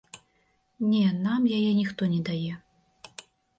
Не, нам яе ніхто не дае.